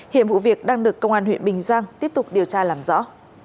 hiện vụ việc đang được công an huyện bình giang tiếp tục điều tra làm rõ